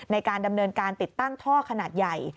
ในการดำเนินการติดตั้งท่อขนาดใหญ่